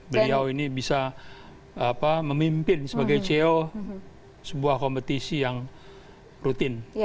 beliau ini bisa memimpin sebagai ceo sebuah kompetisi yang rutin